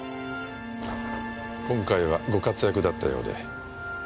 今回はご活躍だったようで。